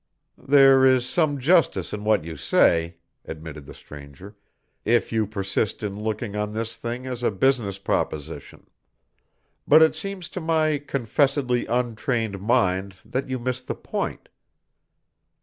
"There is some justice in what you say," admitted the stranger, "if you persist in looking on this thing as a business proposition. But it seems to my confessedly untrained mind that you missed the point.